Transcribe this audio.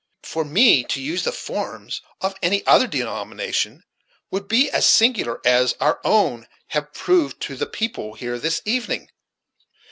For me to use the forms of any other denomination would be as singular as our own have proved to the people here this evening."